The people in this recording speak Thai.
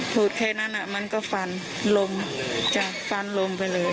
พูดแค่นั้นมันก็ฟันลมจากฟันลมไปเลย